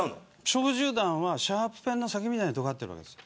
小銃弾はシャープペンの先みたいにとがっています。